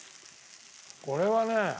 これはね